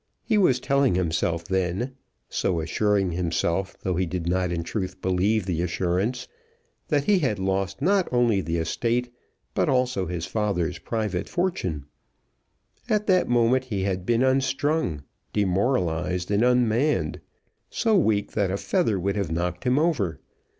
He was telling himself then, so assuring himself, though he did not in truth believe the assurance, that he had lost not only the estate, but also his father's private fortune. At that moment he had been unstrung, demoralised, and unmanned, so weak that a feather would have knocked him over.